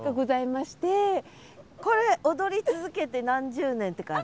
これ踊り続けて何十年って感じ？